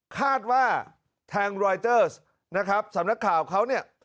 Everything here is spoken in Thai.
คาดว่าทางรอยเตอร์นะครับสำนักข่าวเขาเนี่ย